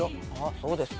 そうですか？